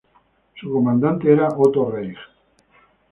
Su comandante era Otto Reich.